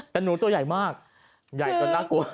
แต่หนูตัวใหญ่มากใหญ่จนน่ากลัว